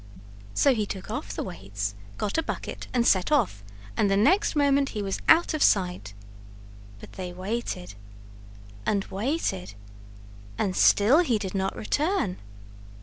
So he took off the weights, got a bucket, and set off, and the next moment he was out of sight. But they waited and waited and still he did not return.